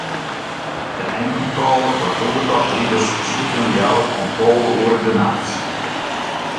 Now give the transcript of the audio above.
De einkontrôle foar toertochtriders slút yn Ljouwert om tolve oere de nachts.